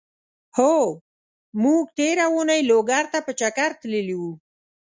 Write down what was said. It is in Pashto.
هو! مونږ تېره اونۍ لوګر ته په چګر تللی وو.